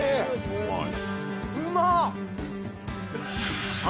うまい。